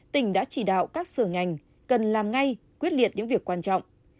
tỉnh đã chỉ đạo các sở ngành cần làm ngay quyết liệt những việc quan trọng